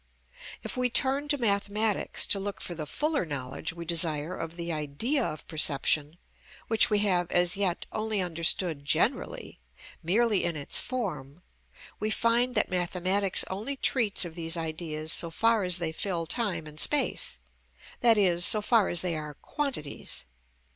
If we turn to mathematics to look for the fuller knowledge we desire of the idea of perception, which we have, as yet, only understood generally, merely in its form, we find that mathematics only treats of these ideas so far as they fill time and space, that is, so far as they are quantities.